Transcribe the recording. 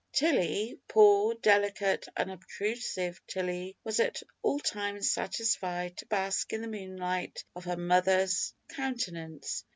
Tilly, poor, delicate, unobtrusive Tilly, was at all times satisfied to bask in the moonlight of her mother's countenance.